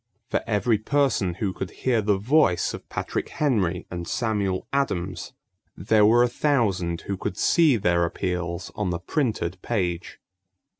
For every person who could hear the voice of Patrick Henry and Samuel Adams, there were a thousand who could see their appeals on the printed page.